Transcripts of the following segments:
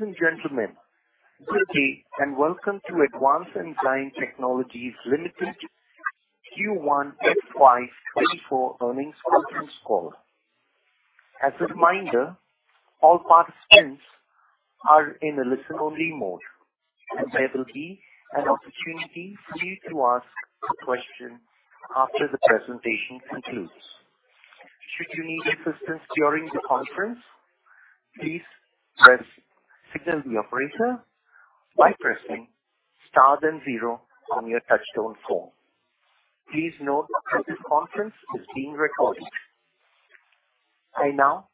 Ladies and gentlemen, good day. Welcome to Advanced Enzyme Technologies Limited Q1 FY24 earnings conference call. As a reminder, all participants are in a listen-only mode. There will be an opportunity for you to ask a question after the presentation concludes. Should you need assistance during the conference, please signal the operator by pressing star then zero on your touchtone phone. Please note that this conference is being recorded. I now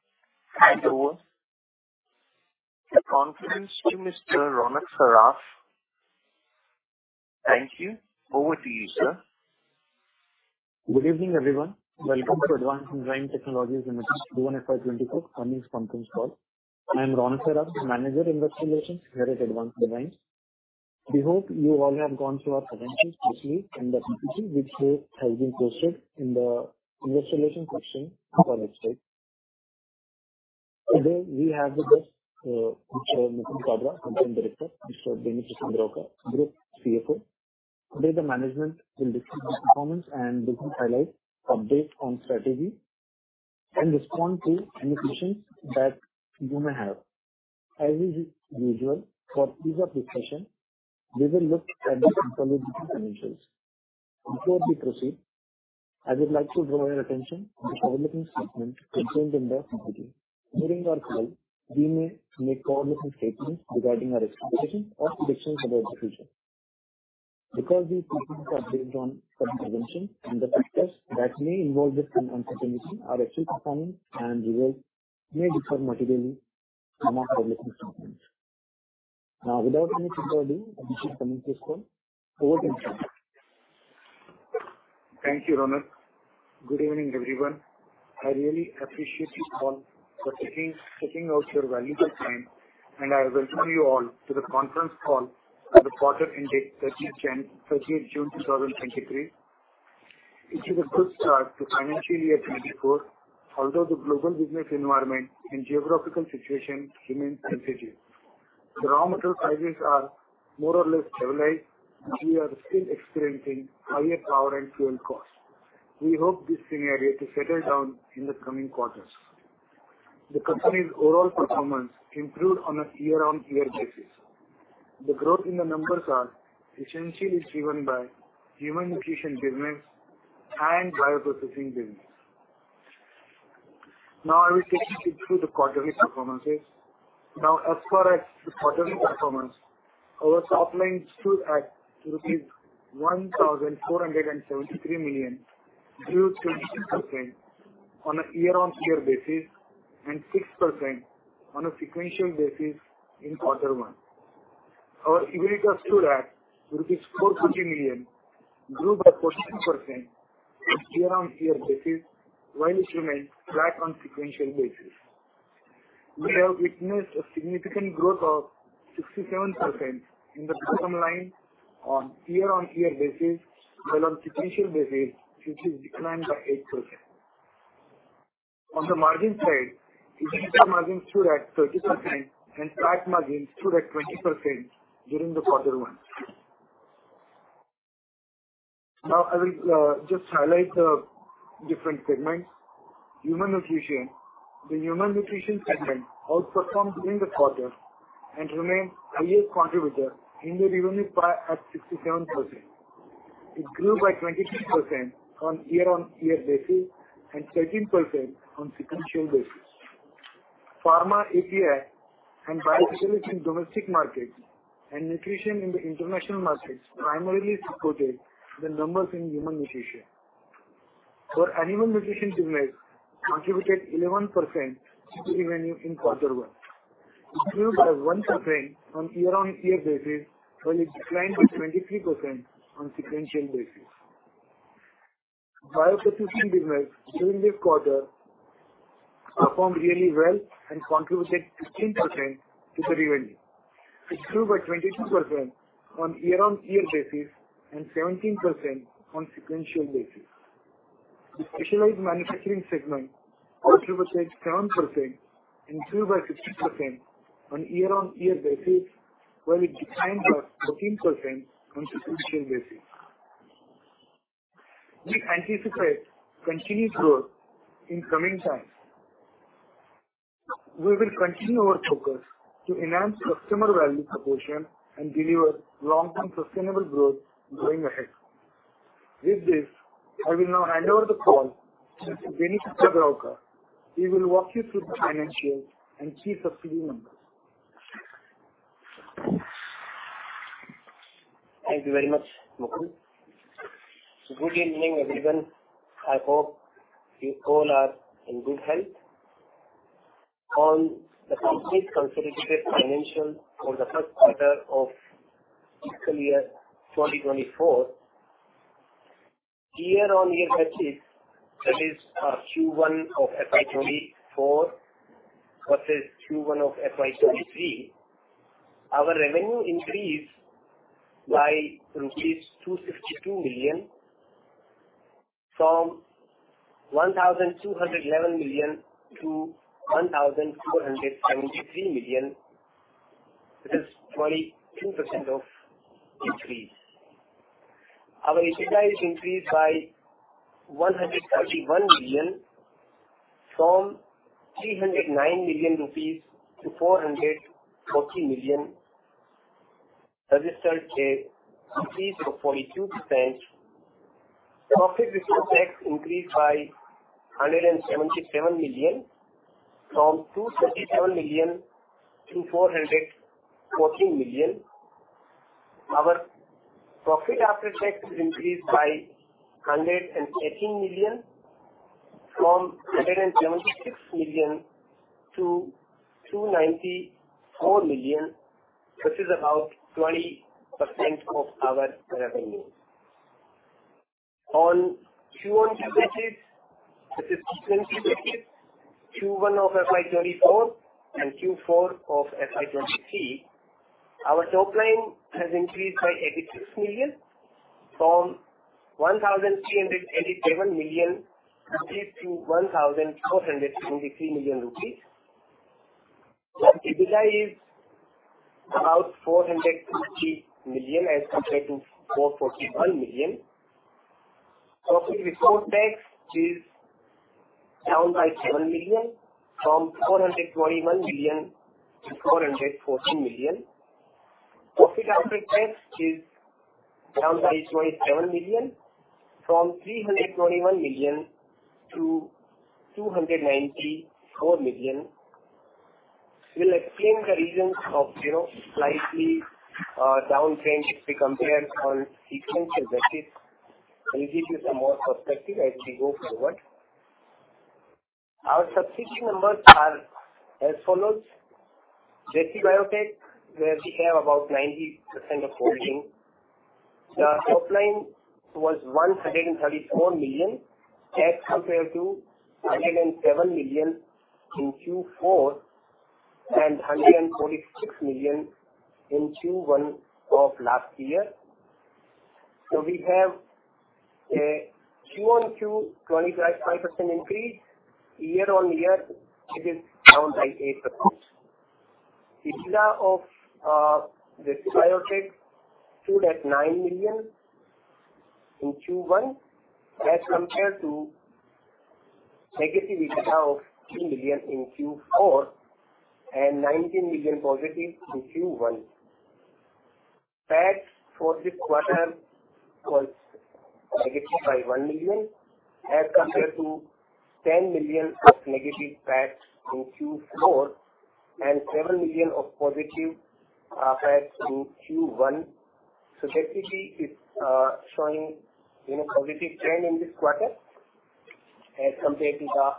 hand over the conference to Mr. Ronak Saraf. Thank you. Over to you, sir. Good evening, everyone. Welcome to Advanced Enzyme Technologies Limited Q1 FY24 earnings conference call. I am Ronak Saraf, the Manager, Investor Relations here at Advanced Enzyme. We hope you all have gone through our presentation closely and the CC, which has been posted in the investor relation section of our website. Today, we have with us Mukund Kabra, Company Director, Mr. Beni Prasad Rauka, Group CFO. Today, the management will discuss the performance and business highlights, update on strategy, and respond to any questions that you may have. As is usual for this discussion, we will look at the consolidated financials. Before we proceed, I would like to draw your attention to the forward-looking statement contained in the CC. During our call, we may make forward-looking statements regarding our expectations or predictions about the future. Because these statements are based on current interventions and the factors that may involve different uncertainties, our actual performance and results may differ materially from our forward-looking statements. Now, without any further ado, let's begin today's call. Over to you, sir. Thank you, Ronak. Good evening, everyone. I really appreciate you all for taking out your valuable time, and I welcome you all to the conference call for the quarter ended June 30, 2023. It is a good start to FY24, although the global business environment and geographical situation remain sensitive. The raw material prices are more or less stabilized. We are still experiencing higher power and fuel costs. We hope this scenario to settle down in the coming quarters. The company's overall performance improved on a year-on-year basis. The growth in the numbers are essentially driven by human nutrition business and bioprocessing business. I will take you through the quarterly performances. Now, as far as the quarterly performance, our top line stood at rupees 1,473 million, grew to 18% on a year-on-year basis and 6% on a sequential basis in quarter one. Our EBITDA stood at 400 million, grew by 14% on year-on-year basis, while it remained flat on sequential basis. We have witnessed a significant growth of 67% in the bottom line on year-on-year basis, while on sequential basis, it is declined by 8%. On the margin side, EBITDA margin stood at 30% and profit margin stood at 20% during the quarter one. Now I will just highlight the different segments. Human nutrition. The human nutrition segment outperformed during the quarter and remained highest contributor in the revenue pie at 67%. It grew by 22% on year-on-year basis and 13% on sequential basis. Pharma API and biopharmaceutical in domestic markets and nutrition in the international markets primarily supported the numbers in human nutrition. Our animal nutrition business contributed 11% to the revenue in Q1. It grew by 1% on year-on-year basis, while it declined by 23% on sequential basis. Bioprocessing business during this quarter performed really well and contributed 15% to the revenue. It grew by 22% on year-on-year basis and 17% on sequential basis. The specialized manufacturing segment contributed 7% and grew by 16% on year-on-year basis, while it declined by 14% on sequential basis. We anticipate continued growth in coming times. We will continue our focus to enhance customer value proposition and deliver long-term sustainable growth going ahead. With this, I will now hand over the call to Beni Prasad Rauka. He will walk you through the financials and key succeeding numbers. Thank you very much, Mukund. Good evening, everyone. I hope you all are in good health. On the company's consolidated financial for the first quarter of fiscal year 2024, year-on-year basis, that is, Q1 of FY24 versus Q1 of FY23, our revenue increased by rupees 262 million from 1,211 million to 1,473 million, which is 22% of increase. Our EBITDA is increased by 131 million from 309 million rupees to 440 million, registered a increase of 42%. Profit before tax increased by 177 million from 277 million to 414 million. Our profit after tax is increased by 118 million, from 176 million to 294 million, which is about 20% of our revenue. On quarter-on-quarter basis, this is Q1 FY24 and Q4 FY23, our top line has increased by 86 million from 1,387 million rupees to 1,423 million rupees. The EBITDA is about 450 million as compared to 441 million. Profit before tax is down by 7 million from 421 million to 414 million. Profit after tax is down by 27 million from 321 million to 294 million. We'll explain the reasons of, you know, slightly downtrend if we compare on sequential basis. We'll give you some more perspective as we go forward. Our subsidiary numbers are as follows: JC Biotech, where we have about 90% of holding. The top line was 134 million, as compared to 107 million in Q4 and 146 million in Q1 of last year. We have a Q-on-Q 25% increase. Year-on-year, it is down by 8%. EBITDA of this biotech stood at 9 million in Q1, as compared to negative EBITDA of 2 million in Q4 and 19 million positive in Q1. PAT for this quarter was negative by 1 million, as compared to 10 million of negative PAT in Q4 and 7 million of positive PAT in Q1. Basically, it's showing, you know, positive trend in this quarter as compared to the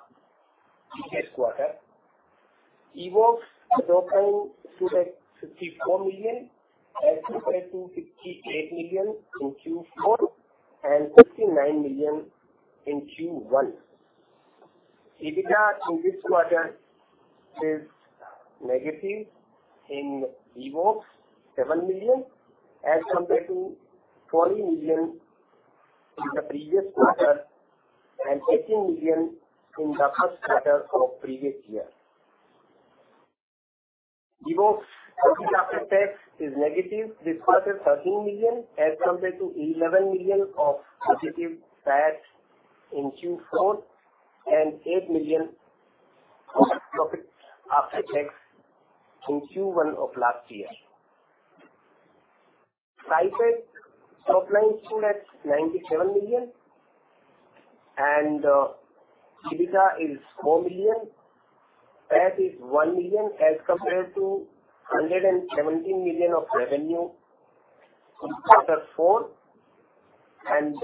previous quarter. Evoxx top line stood at INR 54 million, as compared to INR 58 million in Q4 and INR 59 million in Q1. EBITDA in this quarter is negative in Evoxx, 7 million, as compared to 20 million in the previous quarter and 18 million in the first quarter of previous year. Evoxx profit after tax is negative, this quarter 13 million, as compared to 11 million of positive PAT in Q4 and 8 million of profit after tax in Q1 of last year. SciTech top line stood at 97 million, and EBITDA is 4 million. PAT is 1 million, as compared to 117 million of revenue in quarter four and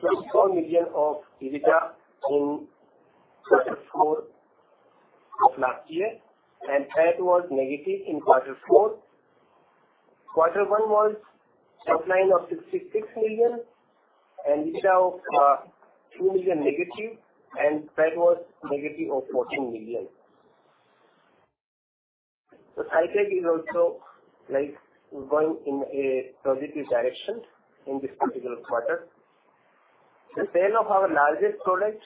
24 million of EBITDA in quarter four of last year. PAT was negative in quarter four. Quarter one was top line of 66 million, and EBITDA of 2 million negative, and PAT was negative of 14 million. SciTech is also, like, going in a positive direction in this particular quarter. The sale of our largest product,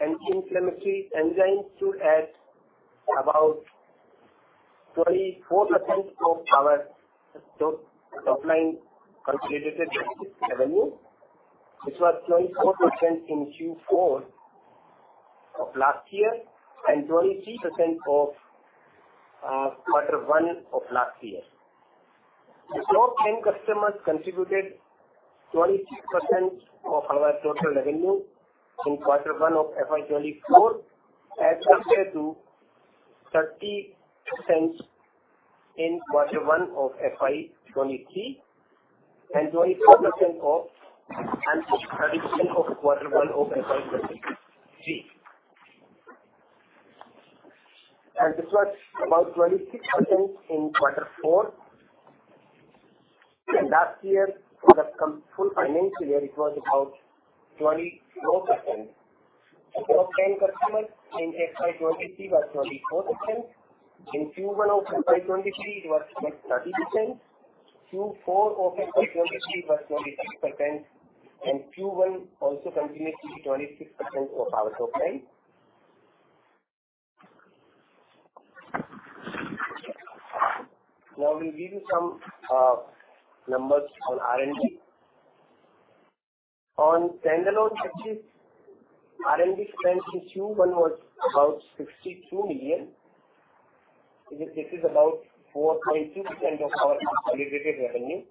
an inflammatory enzyme, stood at about 24% of our top line contributed revenue. This was 24% in Q4 of last year and 23% of Q1 of last year. The top 10 customers contributed 23% of our total revenue in Q1 of FY24, as compared to 30% in Q1 of FY23, and 24% of Q1 of FY23. This was about 26% in Q4, and last year, for the full financial year, it was about 24%. of 10 customers in FY23 was 24%. In Q1 of FY23, it was like 30%. Q4 of FY23 was 26%, and Q1 also continues to be 26% of our top line. Now we give you some numbers on R&D. On standalone axis, R&D spend in Q1 was about 62 million. This is about 4.2% of our consolidated revenue,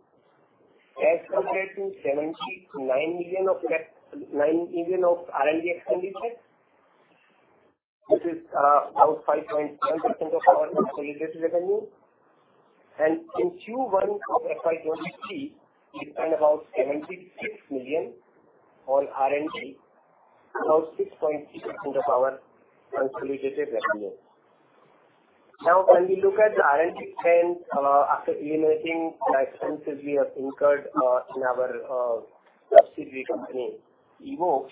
as compared to 79 million of that, 9 million of R&D expenditure, which is about 5.1% of our consolidated revenue. In Q1 of FY23, we spent about INR 76 million on R&D, about 6.6% of our consolidated revenue. Now, when we look at the R&D spend, after eliminating the expenses we have incurred in our subsidiary company, Evoxx,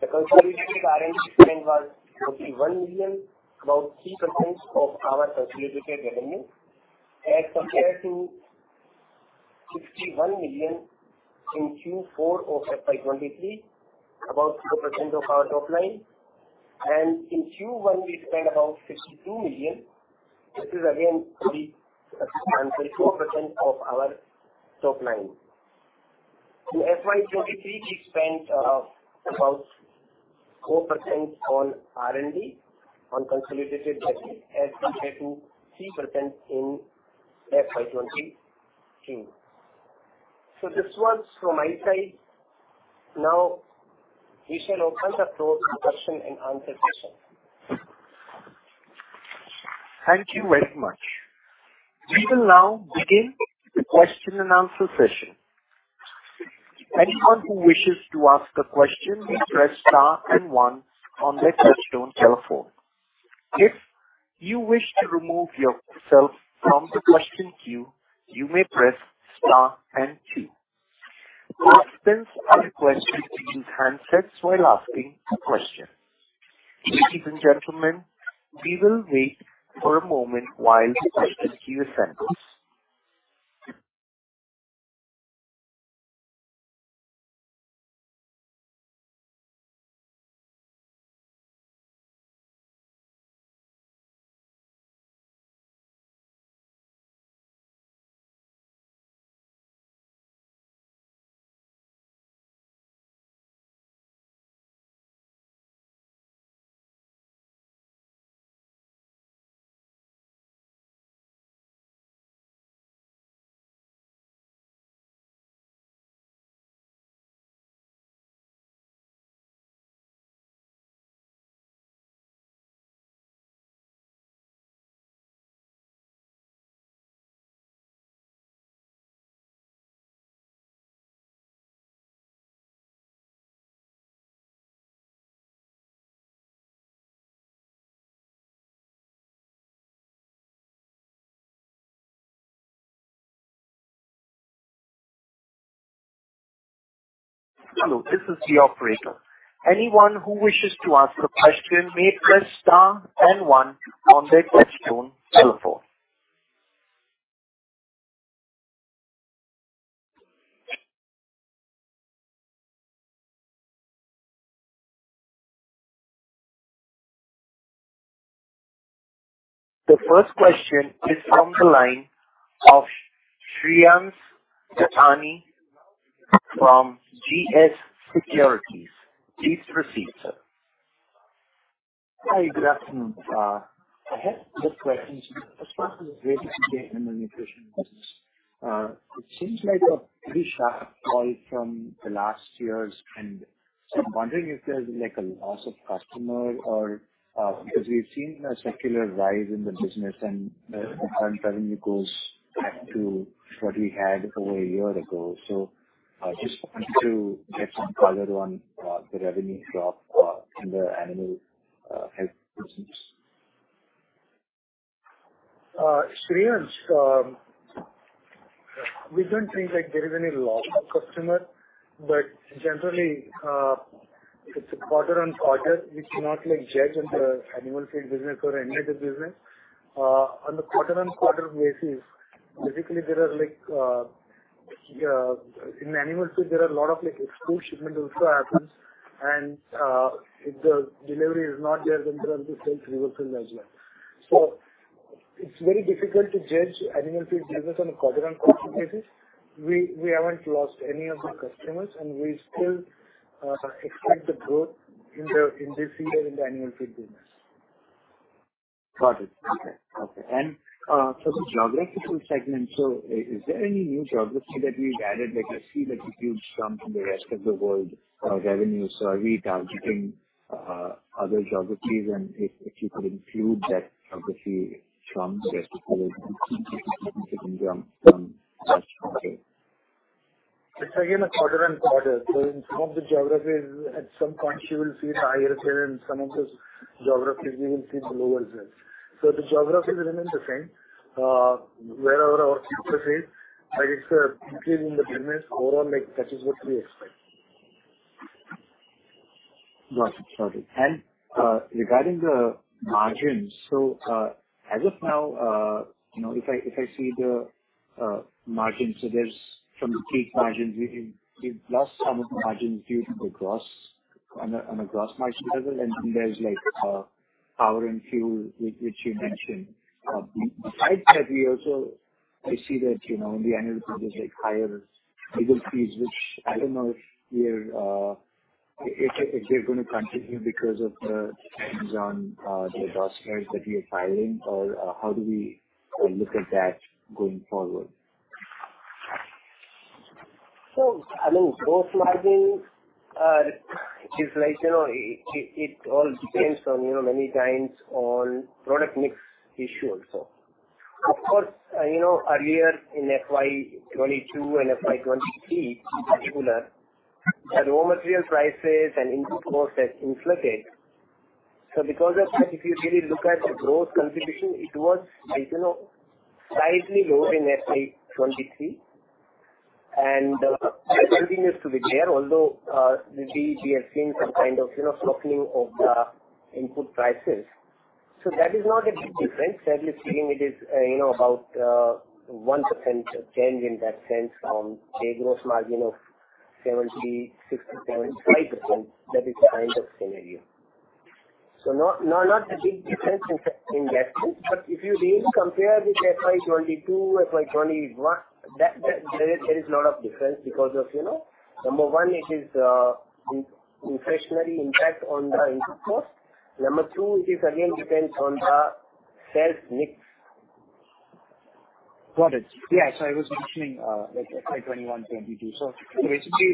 the consolidated R&D spend was INR 41 million, about 3% of our consolidated revenue, as compared to 61 million in Q4 of FY23, about 2% of our top line. In Q1, we spent about 62 million. This is again, 3% and 4% of our top line. In FY 23, we spent about 4% on R&D, on consolidated revenue, as compared to 3% in FY 22. This one's from my side. Now we shall open the floor for question and answer session. Thank you very much. We will now begin the question and answer session. Anyone who wishes to ask a question, may press star and one on their touch-tone telephone. If you wish to remove yourself from the question queue, you may press star and two. Participants are requested to use handsets while asking a question. Ladies and gentlemen, we will wait for a moment while the question queue settles. Hello, this is the operator. Anyone who wishes to ask a question may press star and one on their touch-tone telephone. The first question is from the line of Shreyansh Gathani from SG Securities. Please proceed, sir. Hi, good afternoon. I have 2 questions. The first one is related to the animal nutrition business. It seems like a pretty sharp call from the last year's, and so I'm wondering if there's, like, a loss of customer or because we've seen a circular rise in the business and the current revenue goes back to what we had over a year ago. Just wanted to get some color on the revenue drop in the animal health business. Shreyansh, we don't think there is any loss of customer, but generally, it's a quarter on quarter. We cannot judge in the animal feed business or any other business. On the quarter on quarter basis, basically, there are in animal feed, there are a lot of export shipment also happens. If the delivery is not there, then there are the sales reversal as well. It's very difficult to judge animal feed business on a quarter on quarter basis. We, we haven't lost any of the customers, and we still expect the growth in the, in this year, in the animal feed business. Got it. Okay. Okay. For the geographical segment, is there any new geography that we've added? Like, I see that you've come from the rest of the world revenue. Are we targeting other geographies? If you could include that geography from the rest of the world from that quarter. It's again, a quarter-over-quarter. In some of the geographies, at some point you will see higher there, in some of those geographies, we will see lower sales. The geography remains the same, wherever our presence is, like it's a increase in the business overall, like, that is what we expect. Got it. Got it. Regarding the margins. As of now, you know, if I, if I see the margins, so there's some peak margins. We, we've lost some of the margins due to the gross on a, on a gross margin level. Then there's, like, power and fuel, which, which you mentioned. Besides that, we also I see that, you know, in the annual, there's like higher legal fees, which I don't know if you're, if, if they're going to continue because of the claims on the gross margins that you're filing or, how do we look at that going forward? I mean, gross margins is like, you know, it, it, it all depends on, you know, many times on product mix issue also. Of course, you know, earlier in FY22 and FY23 in particular, the raw material prices and input costs has inflated. Because of that, if you really look at the growth contribution, it was, like, you know, slightly lower in FY23. That continues to be there, although we, we have seen some kind of, you know, softening of the input prices. That is not a big difference. Certainly speaking, it is, you know, about 1% change in that sense from a gross margin of 70, 67.5%. That is the kind of scenario. Not, not, not a big difference in, in that sense, but if you really compare with FY22, FY21, that, that there is a lot of difference because of, you know, number 1, it is inflationary impact on the input cost. Number two, it is again, depends on the sales mix. Got it. Yeah. I was mentioning, like FY21, FY22. Basically,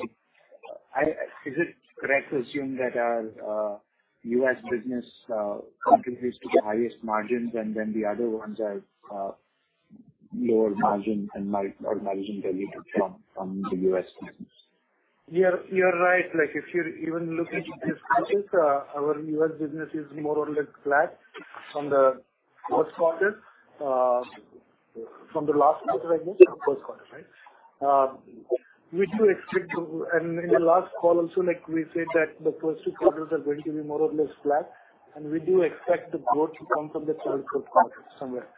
is it correct to assume that our US business contributes to the highest margins and then the other ones are lower margin and or margin derived from, from the US business? You're, you're right. Like, if you even look into this, our US business is more or less flat from the first quarter, from the last quarter, I mean, first quarter, right? We do expect to... In the last call also, like we said, that the first two quarters are going to be more or less flat, and we do expect the growth to come from the third quarter somewhere.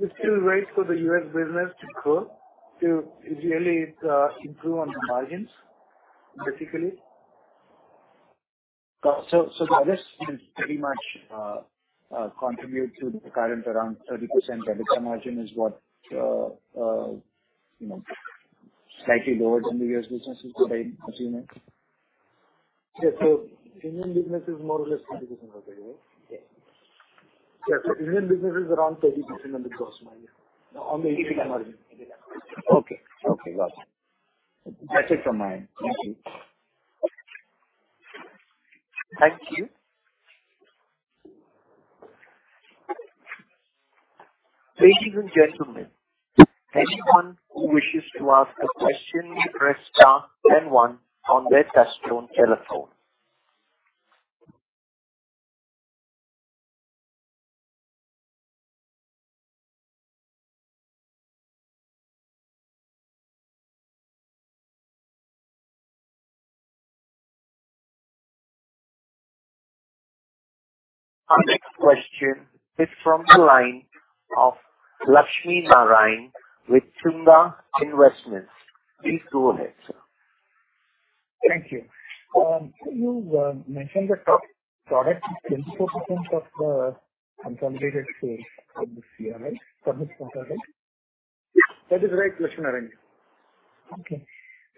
It's still right for the US business to grow, to really improve on the margins, particularly. This is pretty much contribute to the current around 30% EBITDA margin is what, you know, slightly lower than the US business is, would I assume it? Yeah. Indian business is more or less competition, right? Yes. Yeah. Indian business is around 30% on the gross margin. On the EBITDA margin. Okay. Okay, got it. That's it from my end. Thank you. Thank you. Ladies and gentlemen, anyone who wishes to ask a question, press star then one on their touchtone telephone. Our next question is from the line of Lakshminarayanan with Sundaram Mutual. Please go ahead, sir. Thank you. You mentioned that top product is 24% of the consolidated sales for this year, right? For this quarter, right? That is right, Lakshminarayanan. Okay.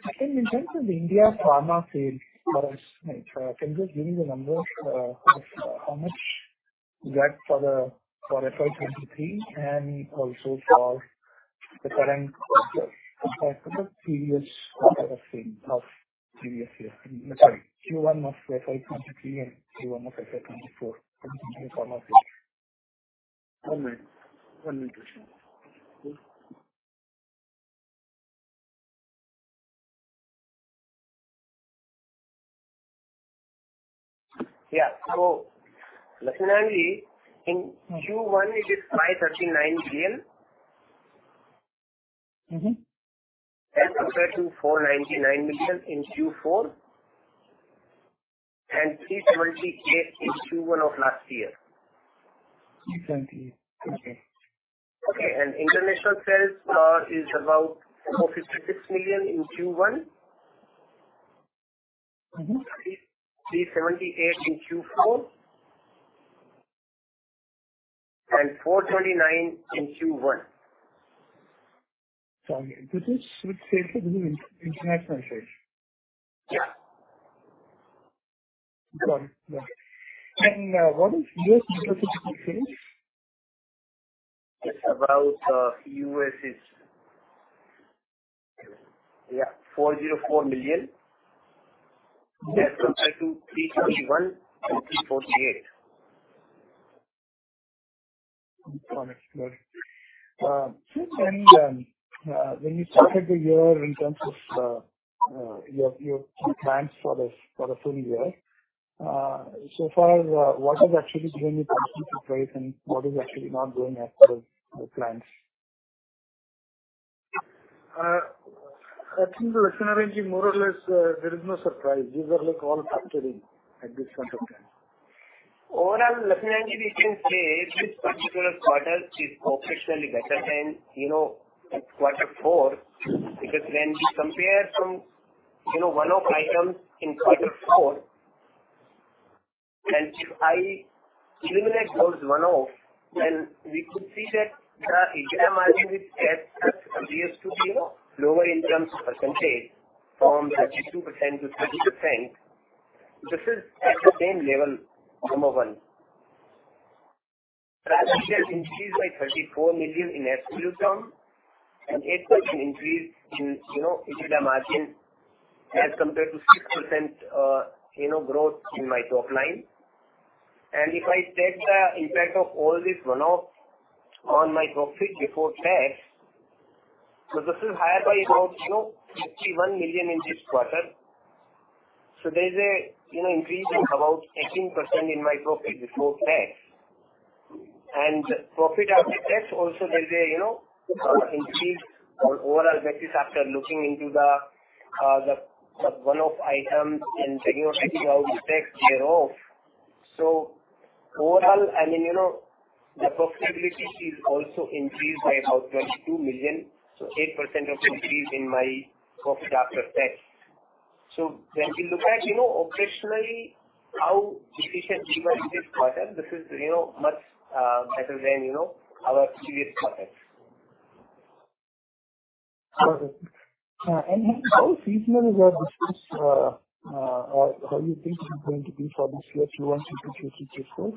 I think in terms of the India pharma sales, can you just give me the numbers of how much you got for the, for FY23 and also for the current quarter for the previous quarter of sales of previous year, Q1 of FY23 and Q1 of FY24 in terms of pharma sales. 1 minute. 1 minute, please. Yeah. Lakshminarayanan, in Q1 it is INR 539 million. Mm-hmm. As compared to INR 499 million in Q4 and INR 378 million in Q1 of last year. Q 4. Okay. Okay. International sales, is about $56 million in Q1. Mm-hmm. INR 378 in Q4 and 429 in Q1. Sorry, this is with sales or this is international sales? Yeah. Got it. What is U.S. sales? It's about, US is... Yeah, $404 million as compared to $371 and $348. Got it. Good. When you, when you started the year in terms of, your, your plans for the, for the full year, so far, what is actually going to price and what is actually not going as per the plans? I think the scenario is more or less, there is no surprise. These are like all factoring at this point of time. Overall, Lakshminarayanan, we can say this particular quarter is operationally better than, you know, quarter four, because when we compare some, you know, one-off items in quarter four, and if I eliminate those one-off, then we could see that the EBITDA margin, which appears to be lower in terms of percentage from 32% to 30%, this is at the same level, number 1. Revenue has increased by 34 million in absolute term and 8% increase in, you know, EBITDA margin as compared to 6%, you know, growth in my top line. If I take the impact of all this one-off on my profit before tax, this is higher by about, you know, 51 million in this quarter. There's a, you know, increase in about 18% in my profit before tax. Profit after tax also, there's a, you know, increase on overall basis after looking into the, the one-off items and taking out effect thereof. Overall, I mean, you know, the profitability is also increased by about 22 million. 8% of increase in my profit after tax. When we look at, you know, operationally, how efficient we were this quarter, this is, you know, much better than, you know, our previous quarters. Okay. How seasonal is your business, or how you think it's going to be for this year Q1, Q2, Q3, Q4?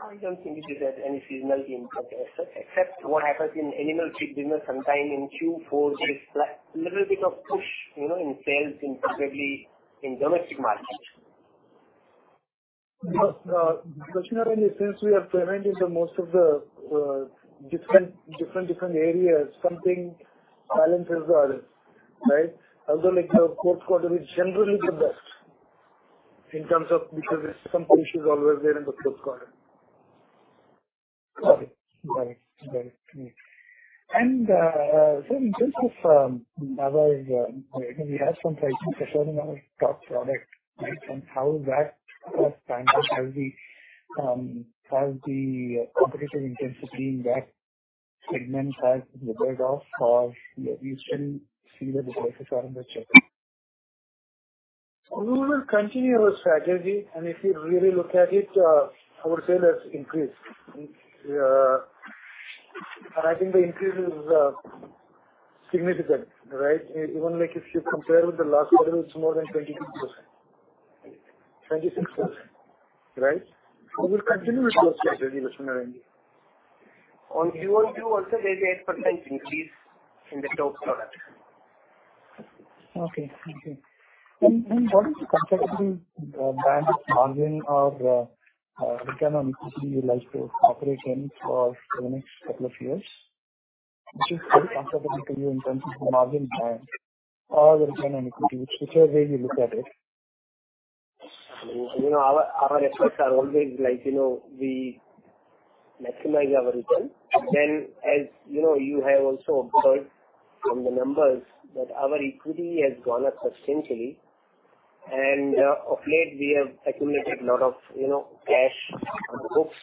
I don't think it is at any seasonal impact as such, except what happens in animal feed business sometime in Q4, there is like little bit of push, you know, in sales, incredibly in domestic market. Lakshminarayanan, since we are present in the most of the different, different, different areas, something balances the other, right? Although, like the fourth quarter is generally the best in terms of... Because some issue is always there in the fourth quarter. Got it. Got it, got it. In terms of our, we had some pricing pressure in our top product, right? How that has panned out, how the competitive intensity in that segment has leveled off, or we shouldn't see the prices are under check. We will continue our strategy, and if you really look at it, our sales has increased. I think the increase is significant, right? Even like if you compare with the last quarter, it's more than 22%. 26%, right? We'll continue with your strategy, Lakshminarayanan. On QoQ also, there's 8% increase in the top product. Okay, okay. What is the comfortable band margin or return on equity you like to operate in for the next couple of years? Which is very comfortable to you in terms of the margin band or the return on equity, whichever way you look at it? You know, our, our efforts are always like, you know, we maximize our return. As you know, you have also heard from the numbers that our equity has gone up substantially. Of late, we have accumulated a lot of, you know, cash on the books.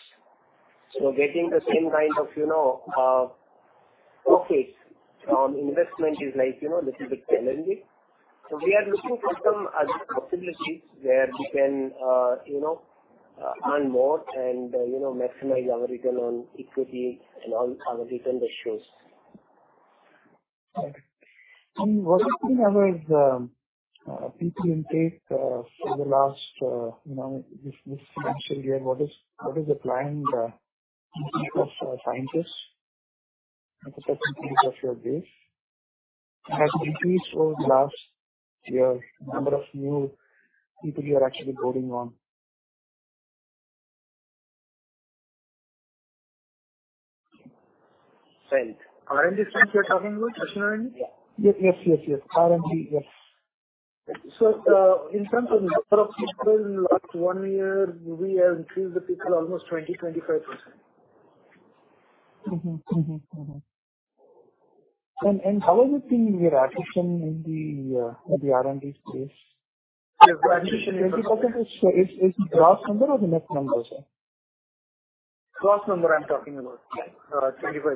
Getting the same kind of, you know, profits on investment is like, you know, little bit challenging. We are looking for some other possibilities where we can, you know, earn more and, you know, maximize our return on equity and all our return ratios. Okay. What has been our people intake for the last, you know, this, this financial year? What is the planned of scientists of your base? Has it increased over the last year, number of new people you are actually boarding on? Right. R&D staff you're talking about, Lakshminarayanan? Yes, yes, yes. R&D, yes. In terms of number of people, in the last one year, we have increased the people almost 20-25%. Mm-hmm, mm-hmm, mm-hmm. How is the team we are addition in the, the R&D space? 20% is, is gross number or the net number, sir? Gross number I'm talking about, 25%.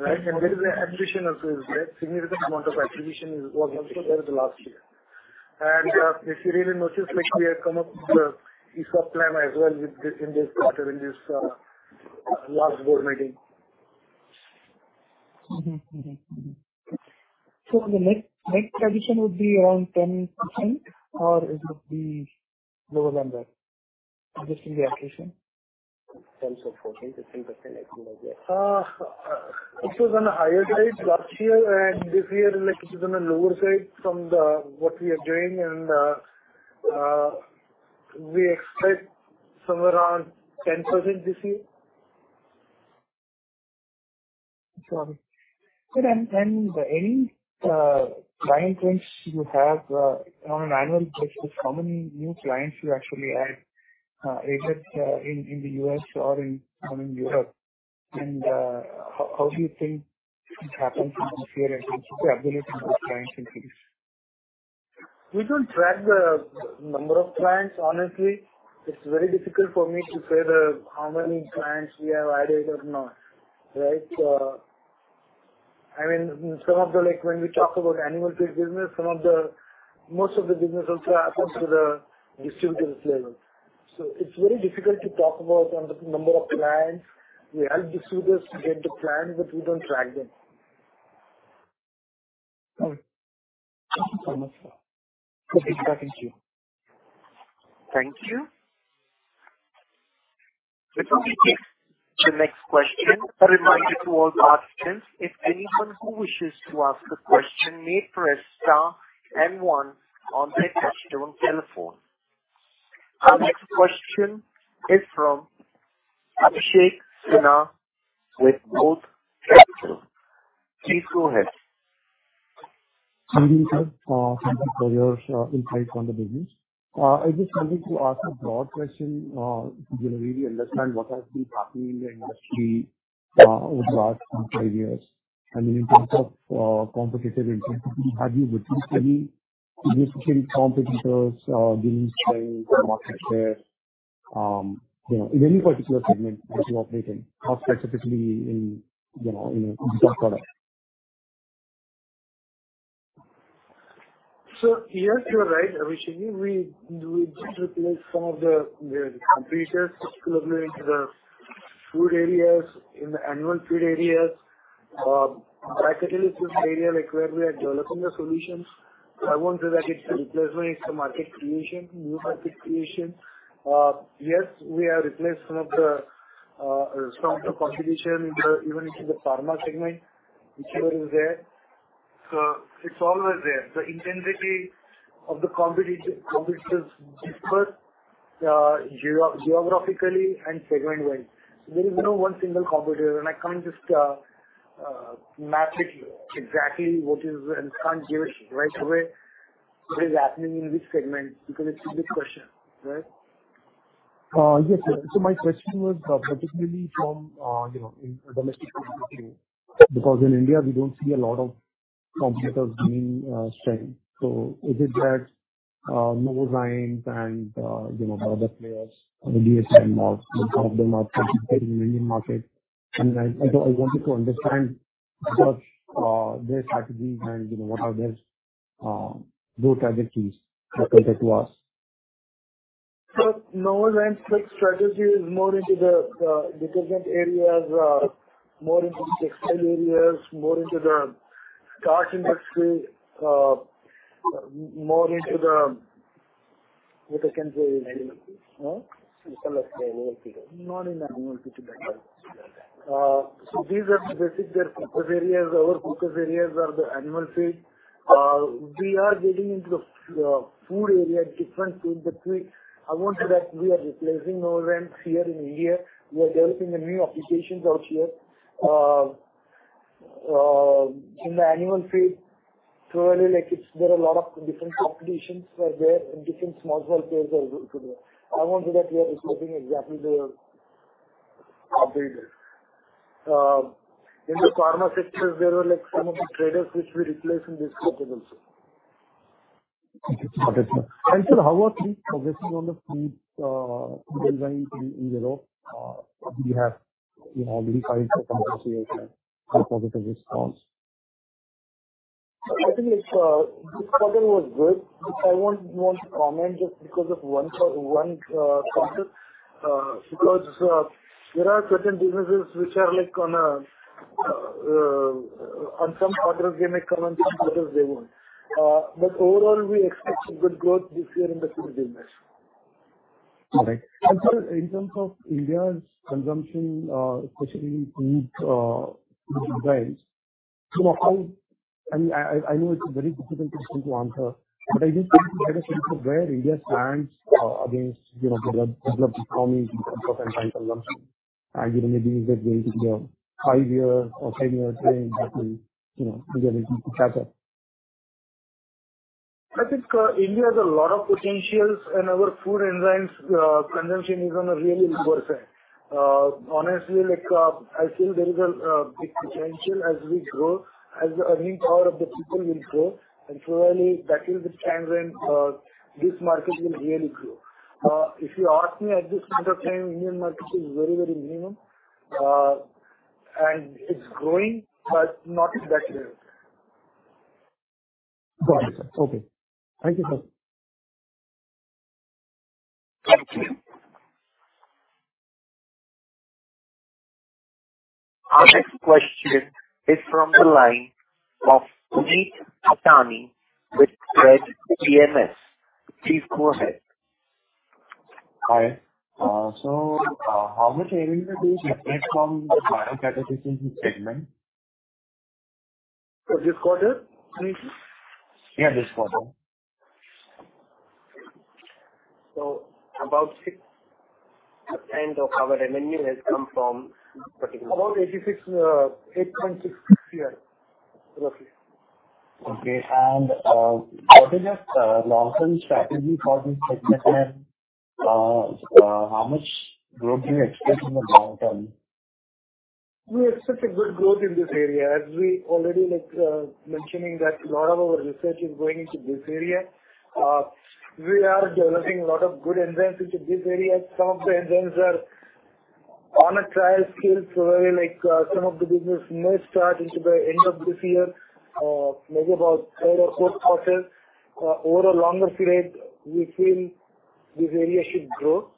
Right. There is an addition of the significant amount of acquisition is what happened over the last year. If you really notice, like we have come up with the ESOP plan as well with this, in this quarter, in this last board meeting. Mm-hmm, mm-hmm, mm-hmm. The next addition would be around 10%, or it would be lower than that, just in the acquisition? Ten to fourteen, fifteen percent- It was on the higher side last year, and this year, like it is on the lower side from what we are doing and, we expect somewhere around 10% this year. Got it. And any, client base you have, on an annual basis, how many new clients you actually add, either, in, in the US or in, or in Europe? How, how do you think it happens from here as you're able to get those clients increase? We don't track the number of clients. Honestly, it's very difficult for me to say how many clients we have added or not, right? I mean, some of the, like, when we talk about annual business, most of the business also happens to the distributors level. It's very difficult to talk about on the number of clients. We help distributors to get the clients, but we don't track them. Got it. Thank you so much, sir. Okay, thank you. Thank you. We take the next question. A reminder to all participants, if anyone who wishes to ask a question, may press star and one on their customer telephone. Our next question is from Abhishek Sinha with. Please go ahead. Good evening, sir. Thank you for your insight on the business. I just wanted to ask a broad question to really understand what has been happening in the industry over the last two, five years. I mean, in terms of competitive intelligence, have you seen any significant competitors gaining strength in the market share? You know, in any particular segment that you operate in, or specifically in, you know, in a product? Yes, you're right. I wish we, we just replaced some of the, the competitors, particularly into the food areas, in the animal food areas. Actually, this area, like where we are developing the solutions, I won't say that it's a replacement, it's a market creation, new market creation. Yes, we have replaced some of the, some of the competition in the, even into the pharma segment, which is there. It's always there. The intensity of the competitive, competitors differs, geo-geographically and segment-wise. There is no one single competitor, and I can't just map it exactly what is, and can't give it right away what is happening in which segment, because it's a big question, right? Yes, sir. My question was, particularly from, you know, in domestic perspective, because in India, we don't see a lot of competitors gaining strength. Is it that Novozymes and, you know, other players in the DSM market, in Indian market? I wanted to understand what their strategies and, you know, what are their growth strategies compared to us. Novozymes' strategy is more into the, the different areas, more into the textile areas, more into the Care industry, more into the... What I can say, animal foods, no? Similar, yeah, animal feed. Not in the animal feed. These are the basic, their focus areas. Our focus areas are the animal feed. We are getting into the food area, different industry. I won't say that we are replacing Novozymes here in India. We are developing the new applications out here. In the animal feed, certainly, like, it's there are a lot of different competitions are there and different small players are there. I won't say that we are replacing exactly their operators. In the pharma sector, there are, like, some of the traders which we replace in this sector also. Thank you. Sir, how are things progressing on the feed enzyme E0? Do you have, you know, any kind of competition or positive response? I think it's, this quarter was good. I won't want to comment just because of one, one quarter, because there are certain businesses which are like on a, on some quarters they may come, on some quarters they won't. Overall, we expect a good growth this year in the food business. All right. Sir, in terms of India's consumption, especially in food, enzymes, you know, I mean, I know it's a very difficult question to answer, but I just want to understand where India stands against, you know, developed, developed economies in terms of enzyme consumption. You know, maybe is it going to be a five-year or 10-year thing that will, you know, get it to catch up? I think India has a lot of potentials and our food enzymes consumption is on a really good side. Honestly, like, I feel there is a big potential as we grow, as the earning power of the people will grow, and certainly that will be the time when this market will really grow. If you ask me, at this point of time, Indian market is very, very minimum, and it's growing, but not in that way. Got it. Okay. Thank you, sir. Thank you. Our next question is from the line of Puneet Tanna with Redsea EMS. Please go ahead. Hi. So, how much revenue do you make from the biocatalysis segment? For this quarter, Puneet? Yeah, this quarter... About 6% of our revenue has come from... About 86, 8.6 fiscal year, roughly. Okay. What is your long-term strategy for this segment? How much growth do you expect in the long term? We expect a good growth in this area, as we already like, mentioning that a lot of our research is going into this area. We are developing a lot of good enzymes into this area. Some of the enzymes are on a trial scale, probably like, some of the business may start into the end of this year, maybe about third or fourth quarter. Over a longer period, we feel this area should grow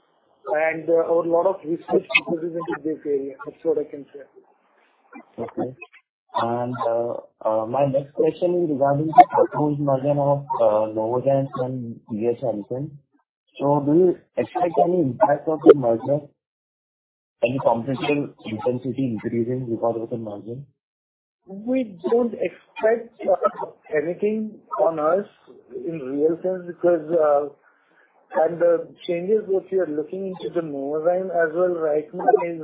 and a lot of research goes into this area. That's what I can say. Okay. My next question is regarding the proposed margin of lower than some years and so on. So do you expect any impact of the merger, any competition, intensity increasing because of the margin? We don't expect anything on us in real sense, because, and the changes which we are looking into the Novozymes as well right now, is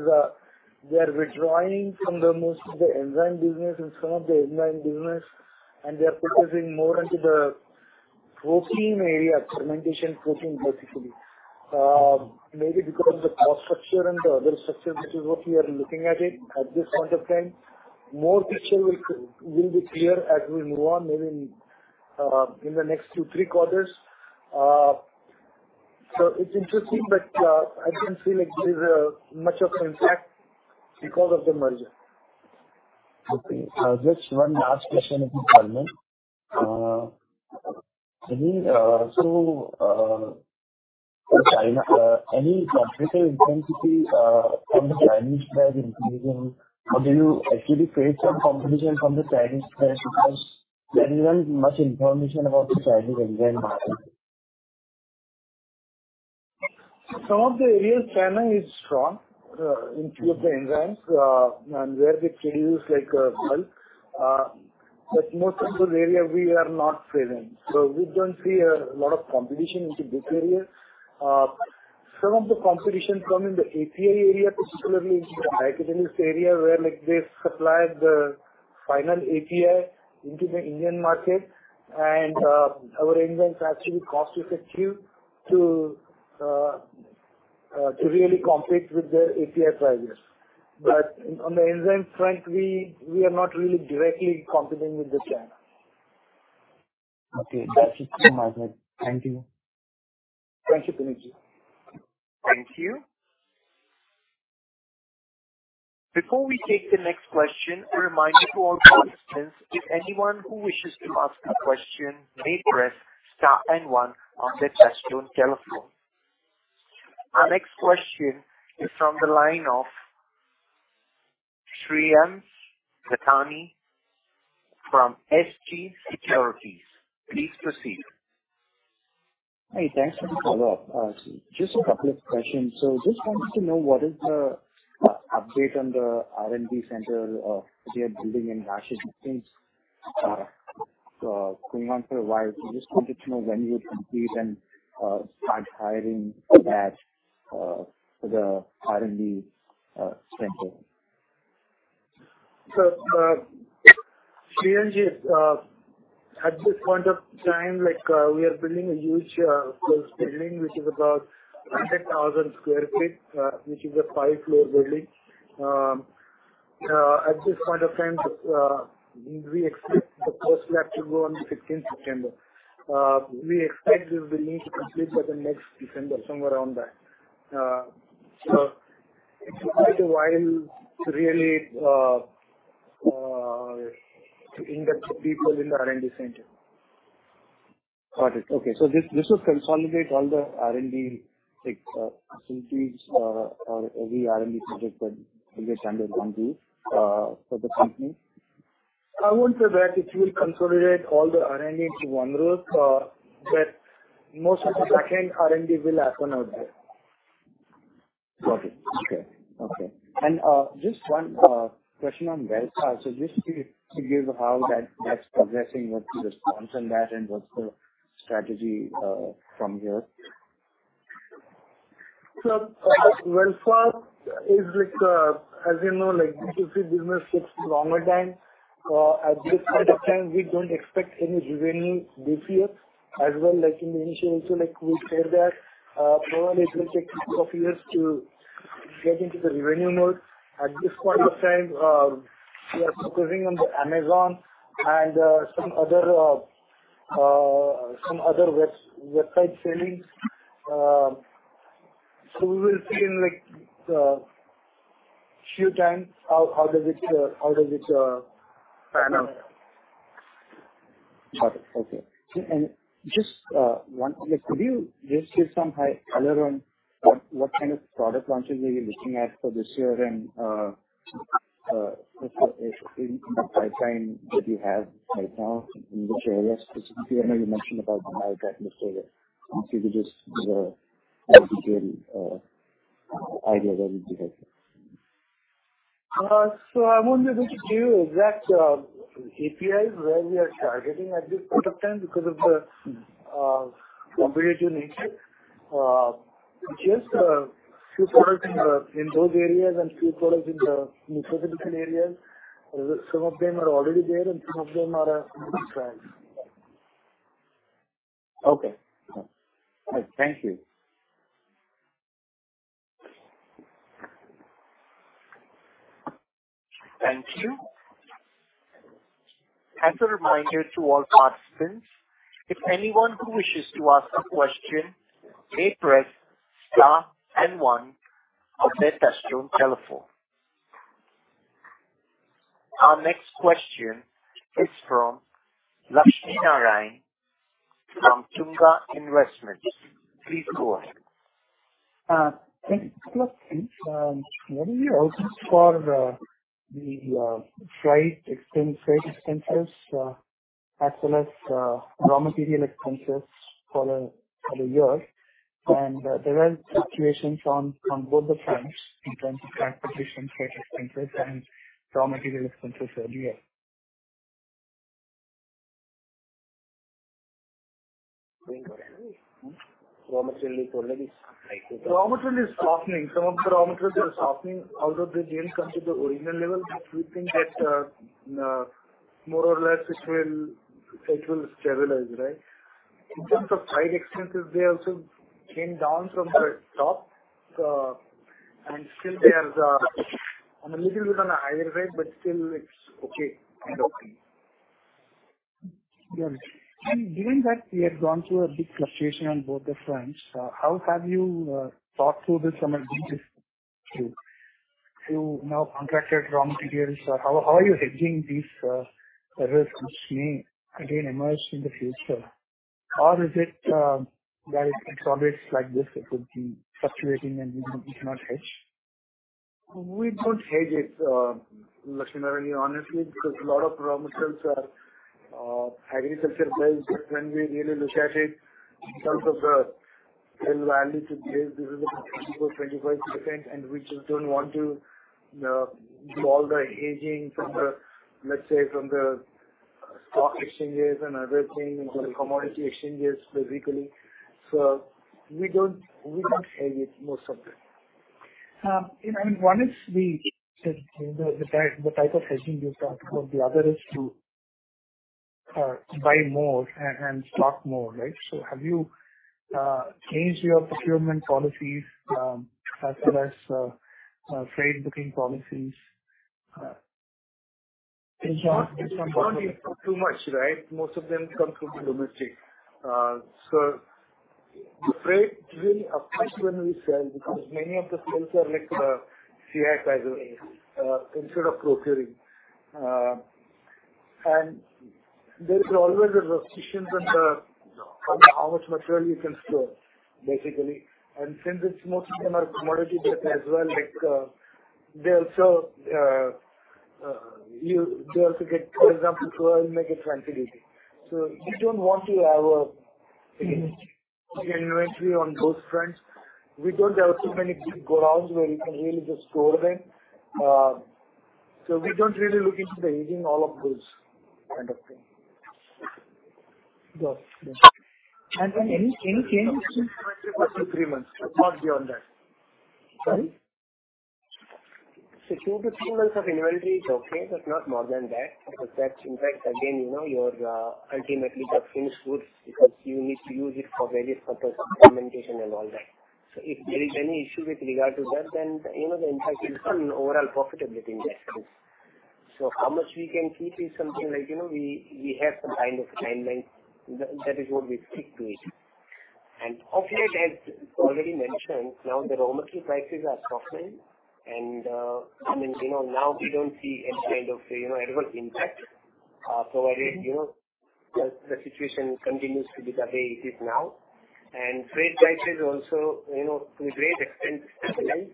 they are withdrawing from the most of the enzyme business and some of the enzyme business, and they are focusing more into the protein area, fermentation protein, basically. Maybe because of the power structure and the other structure, which is what we are looking at it at this point of time. More picture will, will be clear as we move on, maybe in the next two, three quarters. It's interesting, but I don't feel like there's a much of an impact because of the merger. Okay. Just one last question, if you don't mind. Any competition intensity from the Chinese side increasing, or do you actually face some competition from the Chinese side? Because there isn't much information about the Chinese enzyme. Some of the areas, China is strong in few of the enzymes, and where they produce, like, well, but most of those area we are not present. We don't see a lot of competition into this area. Some of the competition come in the API area, particularly into the area where, like, they supply the final API into the Indian market, and our enzymes are actually cost effective to really compete with the API suppliers. On the enzyme front, we are not really directly competing with the China. Okay, that's it from my end. Thank you. Thank you, Puneetji. Thank you. Before we take the next question, a reminder to all participants, if anyone who wishes to ask a question may press star and 1 on their touchtone telephone. Our next question is from the line of Shreyansh Gattani from SG Securities. Please proceed. Hi, thanks for the follow-up. Just 2 questions. Just wanted to know, what is the update on the R&D center they are building in Nashik? Since going on for a while. Just wanted to know when you complete and start hiring that the R&D center. Sriyam, at this point of time, like, we are building a huge, close building, which is about 100,000 sq ft, which is a five-floor building. At this point of time, we expect the first lab to go on the 15th of September. We expect this building to complete by the next December, somewhere around that. It will take a while to really to induct people in the R&D center. Got it. Okay. This, this will consolidate all the R&D, like, facilities, or every R&D project will get under one roof, for the company? I won't say that it will consolidate all the R&D into one roof, but most of the second R&D will happen out there. Got it. Okay. Okay. Just one question on Wellfa. Just to give how that, that's progressing, what's the response on that, and what's the strategy from here? Wellfa is like, as you know, like, B2C business takes longer time. At this point of time, we don't expect any revenue this year as well, like in the initial. Like we said that, probably it will take 2 years to get into the revenue mode. At this point of time, we are focusing on the Amazon and, some other, some other web-website sellings. We will see in, like, few times, how, how does it, how does it, pan out? Got it. Okay. Just one, like, could you just give some high color on what kind of product launches are you looking at for this year? In the pipeline that you have right now, in which areas, specifically, I know you mentioned about the in this area. If you could just give a high detail, idea that would be helpful. I won't be able to give you exact APIs where we are targeting at this point of time because of the competitive nature. Just few products in those areas and few products in the specific areas. Some of them are already there and some of them are in the tracks. Okay. Thank you. Thank you. As a reminder to all participants, if anyone who wishes to ask a question, may press star and one on their touchtone telephone. Our next question is from Lakshminarayan, from Tunga Investments. Please go ahead. Thank you. What do you owe for the freight expenses, as well as raw material expenses for the year? There are fluctuations on both the fronts in terms of transportation, freight expenses, and raw material expenses earlier. Raw material is already high. Raw material is softening. Some of the raw materials are softening, although they didn't come to the original level, we think that, more or less it will, it will stabilize, right? In terms of trade expenses, they also came down from the top, and still they are on a little bit on a higher rate, but still it's okay and opening. Got it. Given that we have gone through a big fluctuation on both the fronts, how have you thought through this from a business view? You now contracted raw materials. How, how are you hedging these risks which may again emerge in the future? Or is it that it's always like this, it would be fluctuating and we cannot hedge? We don't hedge it, Lakshminarayan, honestly, because a lot of raw materials are agriculture-based. When we really look at it, in terms of the real value to this, this is 24%-25%, and we just don't want to do all the hedging from the, let's say, from the stock exchanges and other things, and the commodity exchanges, basically. We don't, we don't hedge it, most of it. One is the, the, the type, the type of hedging you've talked about. The other is to buy more and, and stock more, right? Have you changed your procurement policies, as well as freight booking policies? It's not, it's not too much, right? Most of them come through domestic. The freight really applies when we sell, because many of the sales are like, CIF, instead of procuring. There is always a restrictions on the, on how much material you can store, basically. Since it's most of them are commodity-based as well, like, they also, they also get, for example, so I'll make it 20 days. We don't want to have a inventory on both fronts. We don't have so many big godowns where you can really just store them. We don't really look into the hedging all of those kind of thing. Got it. Any, any changes- 2 to 3 months, not beyond that. Sorry? 2-3 months of inventory is okay, but not more than that, because that impacts again, you know, your, ultimately the finished goods, because you need to use it for various purpose of implementation and all that. If there is any issue with regard to that, then, you know, the impact will come in overall profitability index. How much we can keep is something like, you know, we, we have some kind of timeline. That, that is what we stick to it. Off late, as already mentioned, now the raw material prices are softening and, I mean, you know, now we don't see any kind of, you know, adverse impact. I, you know, the, the situation continues to be the way it is now. Freight prices also, you know, to a great extent, stabilize.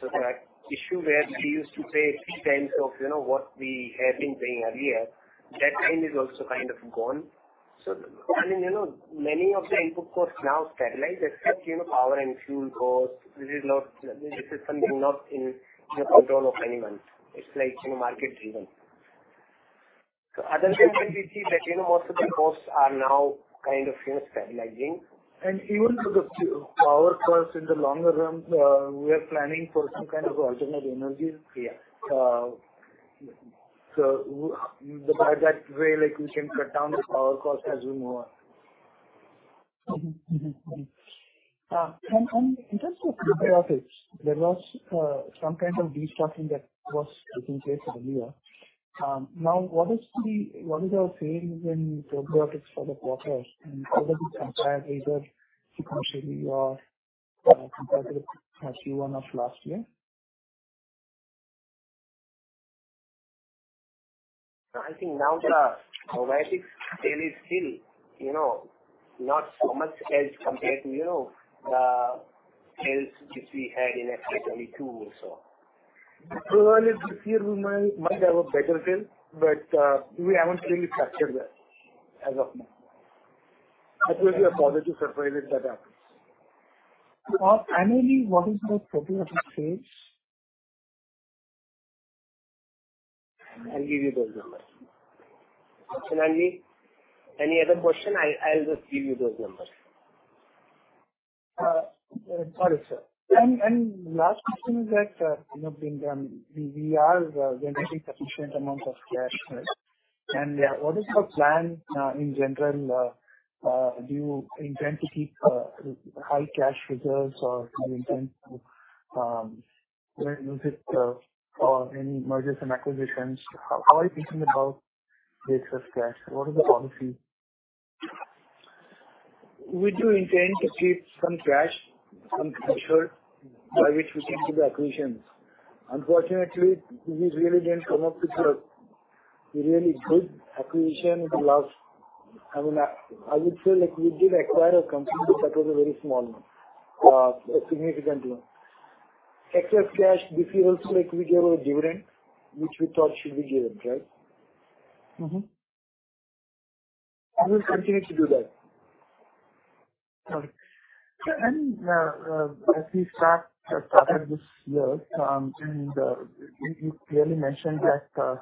That issue where we used to pay 3 times of, you know, what we had been paying earlier, that time is also kind of gone. I mean, you know, many of the input costs now stabilize, except, you know, power and fuel costs. This is not, this is something not in the control of anyone. It's like, you know, market-driven. Other than that, we see that, you know, most of the costs are now kind of, you know, stabilizing. Even to the power costs in the longer term, we are planning for some kind of alternate energy. Yeah. W- by that way, like, we can cut down the power cost as well more. Mm-hmm. Mm-hmm. And in terms of probiotics, there was some kind of destocking that was taking place earlier. Now, what is the, what is our sales in probiotics for the quarter? How does it compare either sequentially or comparative to Q1 of last year? I think now the probiotics sale is still, you know, not so much sales compared to, you know, sales which we had in FY22 also. Earlier this year, we might, might have a better sale, but we haven't really captured that as of now. That will be a positive surprise if that happens. Annually, what is the total of the sales? I'll give you those numbers. Lalji, any other question? I'll just give you those numbers. Got it, sir. Last question is that, you know, being, we are generating sufficient amounts of cash, right? What is your plan in general, do you intend to keep high cash reserves, or do you intend to use it for any mergers and acquisitions? How are you thinking about this excess cash? What is the policy? We do intend to keep some cash, some treasure, by which we can do the acquisitions. Unfortunately, we really didn't come up with a really good acquisition in the last-- I mean, I would say, like, we did acquire a company, but that was a very small one, a significant one. Excess cash, this year also, like, we gave a dividend, which we thought should be given, right? Mm-hmm. We'll continue to do that. Got it. As we start, started this year, you, you clearly mentioned that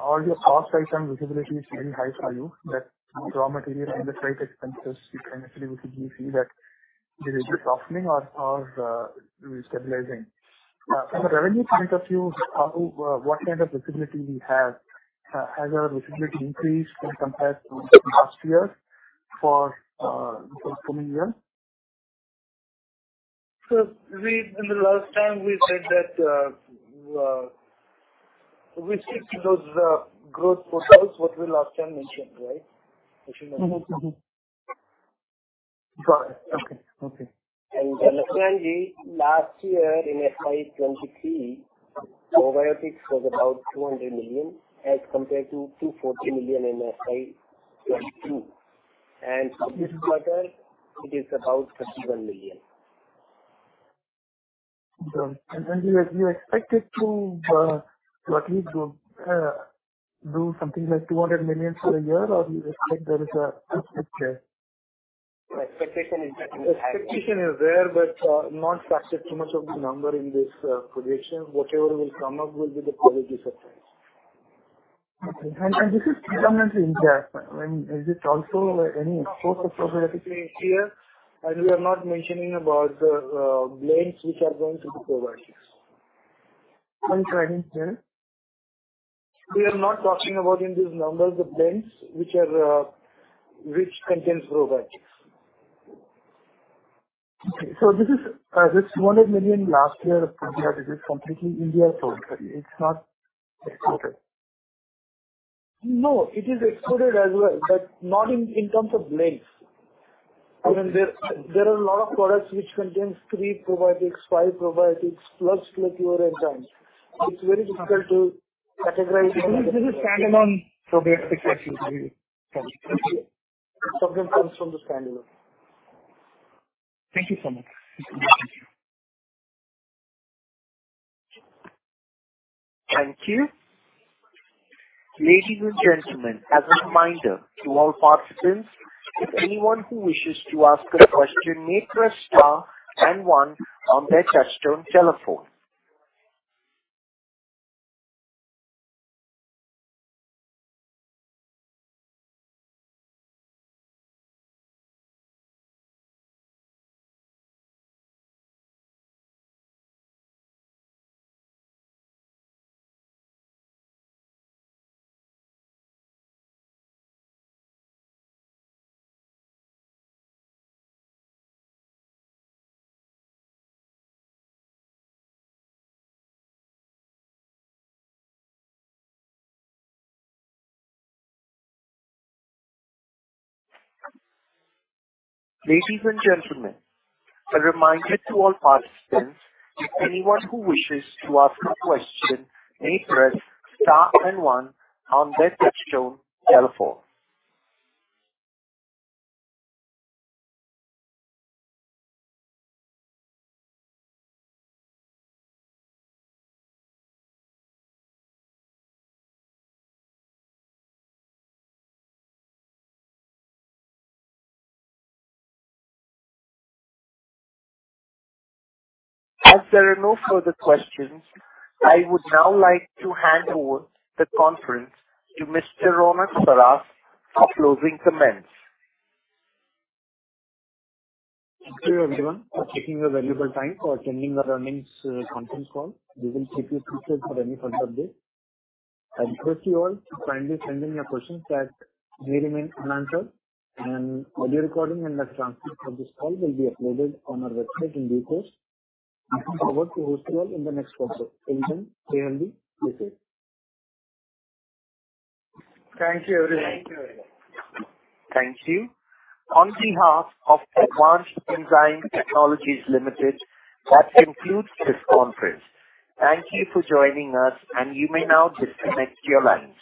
all your cost item visibility is very high for you, that raw material and the freight expenses, eventually we could give you that. There is a softening or, or, stabilizing. From the revenue point of view, how, what kind of visibility you have? Has, has your visibility increased as compared to last year for the coming year? In the last time, we said that we stick to those growth profiles, what we last time mentioned, right? I should mention. Mm-hmm. Mm-hmm. Got it. Okay. Okay. Lalji, last year in FY23, probiotics was about 200 million as compared to 240 million in FY22, and this quarter it is about 51 million. You, you expect it to at least do something like 200 million for a year or you expect there is a structure? Expectation is there, but not factor too much of the number in this prediction. Whatever will come up will be the quality surprise. Okay. This is predominantly in India. I mean, is it also any source of probiotics here? We are not mentioning about the blends which are going to the probiotics. I'm sorry. We are not talking about in these numbers, the blends, which are, which contains probiotics. Okay. This is, this 200 million last year, this is completely India sold. It's not exported. No, it is exported as well, but not in, in terms of blends. I mean, there, there are a lot of products which contains 3 probiotics, 5 probiotics, plus clear enzymes. It's very difficult to categorize. This is stand-alone probiotic actually. Something comes from the stand-alone. Thank you so much. Thank you. Ladies and gentlemen, as a reminder to all participants, if anyone who wishes to ask a question may press star and one on their touchtone telephone. Ladies and gentlemen, a reminder to all participants, if anyone who wishes to ask a question, may press star and one on their touchtone telephone. As there are no further questions, I would now like to hand over the conference to Mr. Ronak Saraf for closing comments. Thank you, everyone, for taking the valuable time for attending our earnings conference call. We will keep you posted for any further updates. I request you all to kindly send in your questions that may remain unanswered. Audio recording and the transcript of this call will be uploaded on our website in due course. I look forward to hosting you all in the next quarter. Until then, stay healthy. Thank you, everyone. Thank you. On behalf of Advanced Enzyme Technologies Limited, that concludes this conference. Thank you for joining us, and you may now disconnect your lines.